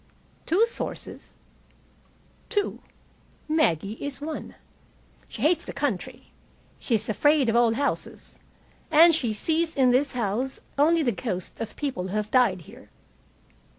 "Two sources?" "Two. Maggie is one. She hates the country. She is afraid of old houses. And she sees in this house only the ghosts of people who have died here."